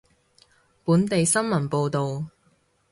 本地新聞報道